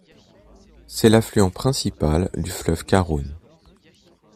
C'est l'affluent principal du fleuve Karoun.